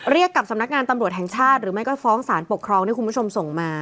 กับสำนักงานตำรวจแห่งชาติหรือไม่ก็ฟ้องสารปกครองที่คุณผู้ชมส่งมา